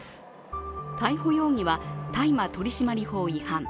逮捕容疑は大麻取締法違反。